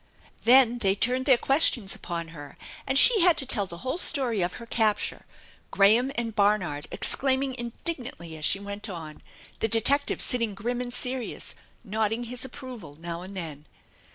Then they turned their questions upon her, and she had to tell the whole story of her capture, Graham and Barnard exclaiming indignantly as she went on, the detective sitting grim and serious, nodding his approval now and then.